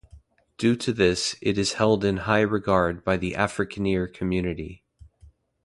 Due to this, it is held in high regard by the Afrikaner community.